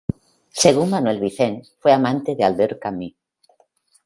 Según Manuel Vicent, fue amante de Albert Camus.